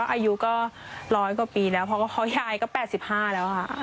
อายุก็๑๐๐กว่าปีแล้วเพราะว่าเขายายก็๘๕แล้วค่ะ